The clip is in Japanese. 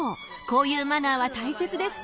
こういうマナーはたいせつです。